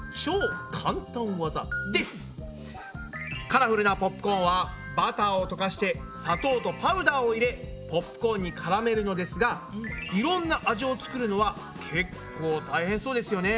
カラフルなポップコーンはバターをとかして砂糖とパウダーを入れポップコーンにからめるのですがいろんな味を作るのはけっこう大変そうですよね。